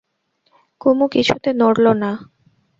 কুমু কিছুতে নড়ল না।